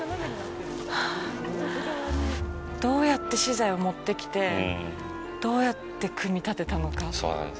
どうやって資材を持ってきてどうやって組み立てたのか。